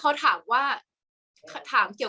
กากตัวทำอะไรบ้างอยู่ตรงนี้คนเดียว